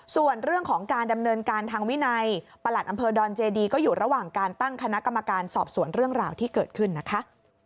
ส่วนเรื่องของการดำเนินการทางวินัยประหลัดอำเภอดอนเจดีก็อยู่ระหว่างการตั้งคณะกรรมการสอบสวนเรื่องราวที่เกิดขึ้นนะคะ